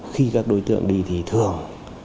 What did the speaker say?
khi các đối tượng đi thì thường